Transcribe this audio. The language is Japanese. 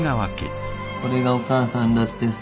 これがお母さんだってさ。